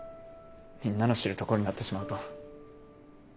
みんなの知るところになってしまうと。